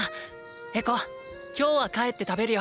エコ今日は帰って食べるよ！